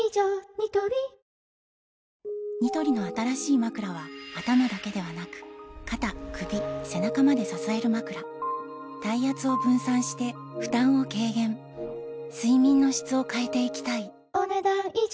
ニトリニトリの新しいまくらは頭だけではなく肩・首・背中まで支えるまくら体圧を分散して負担を軽減睡眠の質を変えていきたいお、ねだん以上。